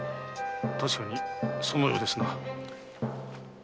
確かにそのようですな。